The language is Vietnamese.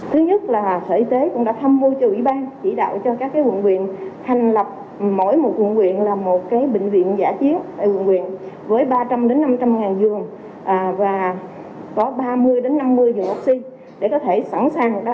thứ nhất là sở y tế cũng đã thăm vô cho ủy ban chỉ đạo cho các quận quyền thành lập mỗi một quận quyền là một bệnh viện giải chiến tại quận quyền